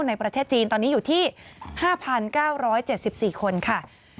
ในประเทศจีนตอนนี้อยู่ที่๕๙๗๔คนค่ะ